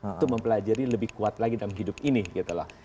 itu mempelajari lebih kuat lagi dalam hidup ini gitu loh